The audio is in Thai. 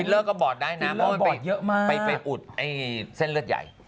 ฟิลเลอร์ก็บอดได้นะเพราะมันไปอุดเส้นเลือดใหญ่